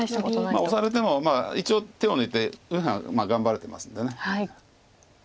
オサれてもまあ一応手を抜いて右辺頑張れてますんで。